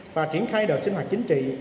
và triển khai đời sinh hoạt chính trị